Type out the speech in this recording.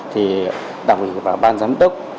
thì đặc biệt là ban giám đốc